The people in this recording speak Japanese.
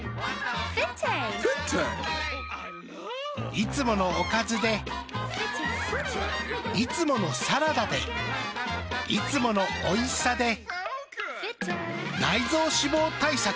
いつものおかずでいつものサラダでいつものおいしさで内臓脂肪対策。